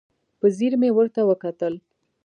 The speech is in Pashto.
په ځیر مې ورته وکتل.